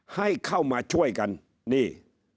ให้เข้ามาช่วยกันนี่